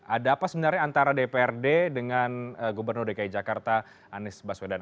ada apa sebenarnya antara dprd dengan gubernur dki jakarta anies baswedan